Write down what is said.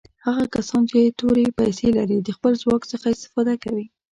هغه کسان چې تورې پیسي لري د خپل ځواک څخه استفاده کوي.